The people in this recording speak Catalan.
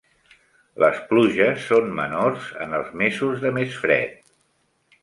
Les pluges són menors en els mesos de més fred.